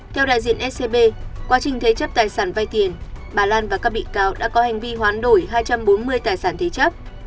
theo đại diện scb quá trình thế chấp tài sản vay tiền bà lan và các bị cáo đã có hành vi hoán đổi hai trăm bốn mươi tài sản thế chấp